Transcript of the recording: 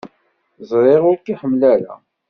Ẓriɣ ur k-iḥemmel ara.